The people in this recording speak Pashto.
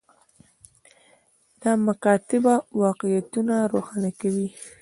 دا مکاتبه واقعیتونه روښانه کوي.